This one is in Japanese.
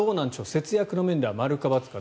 節約の面では○か×か。